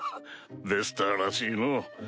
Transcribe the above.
ベスターらしいのう。